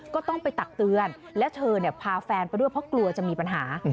ก็ต้องไปตักเตือนและเธอพาแฟนไปด้วยเพราะกลัวจะมีปัญหา